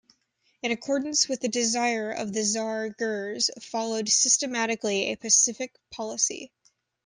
In accordance with the desire of the tsar Girs followed systematically a pacific policy.